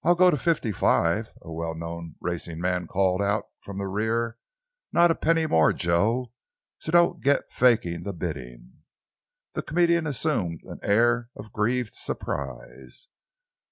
"I'll go to fifty five," a well known racing man called out from the rear. "Not a penny more, Joe, so don't get faking the bidding." The comedian assumed an air of grieved surprise.